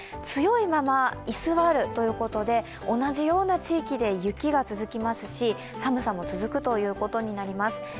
強いまま、居座るということで、同じような地域で雪が続きますし、寒さも続くということになります。